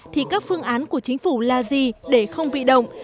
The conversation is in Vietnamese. thì các phương án của chính phủ là gì để không bị động